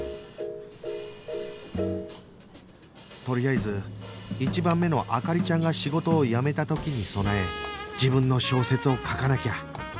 とりあえず１番目の灯ちゃんが仕事を辞めた時に備え自分の小説を書かなきゃ